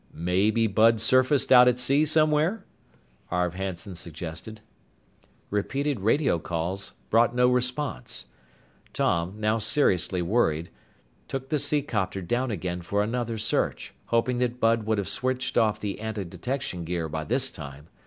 "Maybe Bud surfaced out at sea somewhere," Arv Hanson suggested. Repeated radio calls brought no response. Tom, now seriously worried, took the seacopter down again for another search, hoping that Bud would have switched off the antidetection gear by this time.